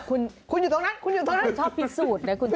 คุณอยู่ตรงนั้น